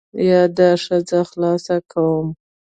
یا دا ښځه خلاصه کوم.